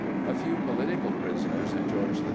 A few political prisoners in George III.